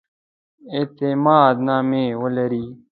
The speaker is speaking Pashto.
اعتماد نامې ولري.